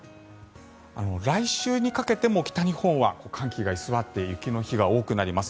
来週にかけても北日本は寒気が居座って雪の日が多くなります。